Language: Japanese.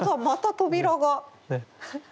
また扉が。